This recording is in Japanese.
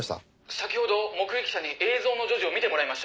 「先ほど目撃者に映像の女児を見てもらいました」